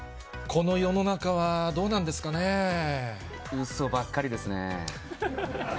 この世の中はどうなんですかうそばっかりですね。